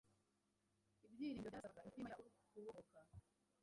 ibyiringiro byasabaga imitima yabo kubohoka.